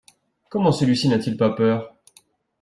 Comment celui-ci n'a-t-il pas peur?